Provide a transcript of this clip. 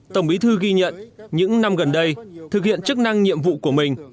tổng bí thư ghi nhận những năm gần đây thực hiện chức năng nhiệm vụ của mình